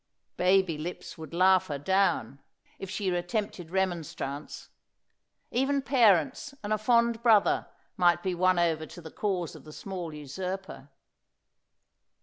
"Baby lips would laugh her down," if she attempted remonstrance. Even parents and a fond brother might be won over to the cause of the small usurper.